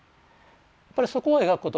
やっぱりそこを描くことがですね